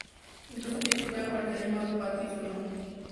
Incluso tiene un perro al que ha llamado Patti en su honor.